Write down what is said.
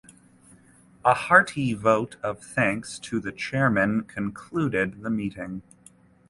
A hearty vote of thanks to the chairman concluded the meeting.